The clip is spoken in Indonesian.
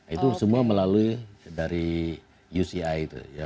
itu semua melalui dari uci itu